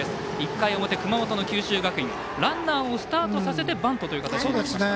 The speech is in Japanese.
１回表、熊本の九州学院ランナーをスタートさせてバントという形になりました。